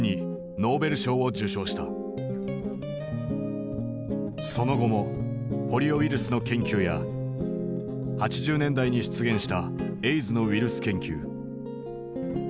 後にその後もポリオウイルスの研究や８０年代に出現したエイズのウイルス研究。